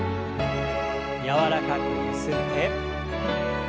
柔らかくゆすって。